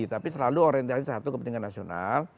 tapi selalu orientasi satu kepentingan nasional